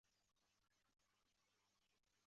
最后鲁国在战国末期被楚国所灭。